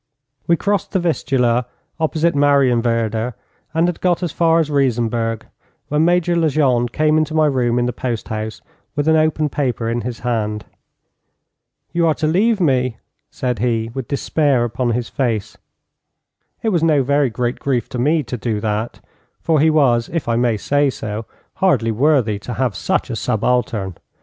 We crossed the Vistula opposite Marienwerder, and had got as far as Riesenberg, when Major Legendre came into my room in the post house with an open paper in his hand. 'You are to leave me,' said he, with despair upon his face. It was no very great grief to me to do that, for he was, if I may say so, hardly worthy to have such a subaltern.